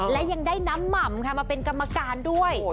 และยังได้น้ำหม่ำค่ะมาเป็นกรรมการด้วย